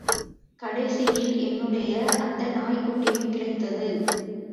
கடைசியில் என்னுடைய அந்த நாய்க்குட்டியும் கிடைத்தது.